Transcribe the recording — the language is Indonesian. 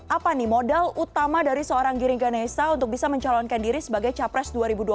apa nih modal utama dari seorang giring ganesa untuk bisa mencalonkan diri sebagai capres dua ribu dua puluh